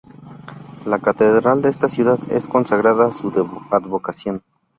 La Catedral de esta ciudad está consagrada a su advocación.